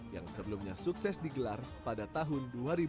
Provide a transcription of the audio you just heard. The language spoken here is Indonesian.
yang sebelumnya sukses digelar pada tahun dua ribu dua puluh